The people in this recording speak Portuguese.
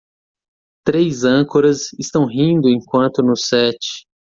Três âncoras estão rindo enquanto no set.